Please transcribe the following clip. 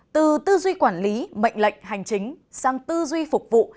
từ tư duy quản lý mệnh lệnh hành chính sang tư duy phục vụ